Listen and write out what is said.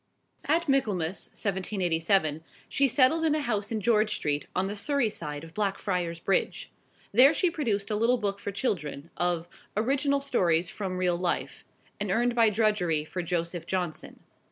At Michaelmas, 1787, she settled in a house in George Street, on the Surrey side of Blackfriars Bridge. There she produced a little book for children, of "Original Stories from Real Life," and earned by drudgery for Joseph Johnson.